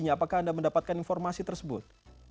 apakah anda mendapatkan informasi tersebut